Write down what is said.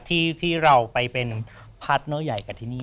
ที่เราไปเป็นพาร์ทเนอร์ใหญ่กับที่นี่